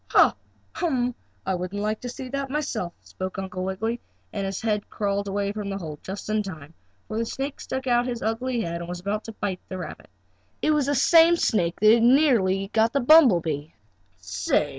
"Ha! Hum! I wouldn't like to see myself!" spoke Uncle Wiggily, and he crawled away from the hole just in time, for the snake stuck out his ugly head and was about to bite the rabbit. It was the same snake that had nearly caught the bumble bee. "Say!"